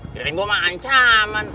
kira kira gue mah ancaman